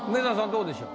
どうでしょう？